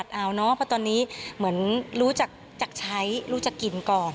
เอาเนอะเพราะตอนนี้เหมือนรู้จักใช้รู้จักกินก่อน